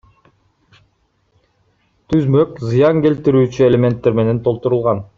Түзмөк зыян келтирүүчү элементтер менен толтурулган.